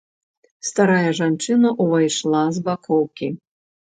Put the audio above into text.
Старая жанчына ўвайшла з бакоўкі.